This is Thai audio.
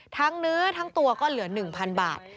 ทั้งเนื้อทั้งตัวก็เหลือหนึ่งพันบาท